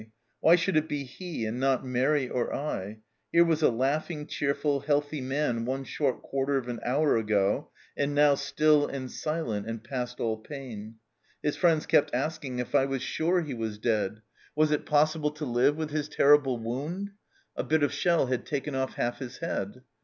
why should it be he, and not Mairi or I ? Here was a laughing, cheerful, healthy man one short quarter of an hour ago, and now still and silent, and past all pain. His friends kept asking if I was sure he was dead. Was it possible to live with his terrible wound ? A bit of shell had taken off half his head.